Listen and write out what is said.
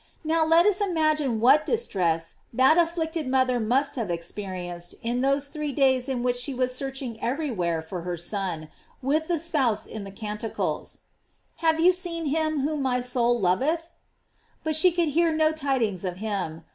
Now let us imagine what distress that afflicted mother must have experienced in those three days in which she was searching everywhere for her Son, with the spouse in the Canticles : "Have you seen him whom my soul loveth?"* But she could hear no tidings of him.